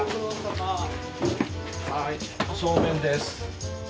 はいおそうめんです。